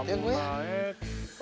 nih sustained ya